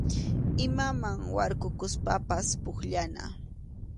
Imaman warkukuspapas pukllana.